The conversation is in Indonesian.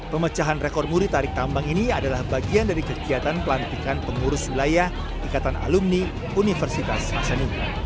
pemecahan rekor muri tarik tambang ini adalah bagian dari kegiatan pelantikan pengurus wilayah ikatan alumni universitas hasanuddin